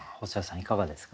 いかがですか？